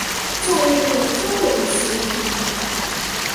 教育部中文詞頻